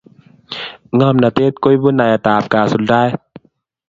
ngomnatet koibu naet ap kasuldaet